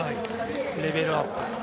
レベルアップ。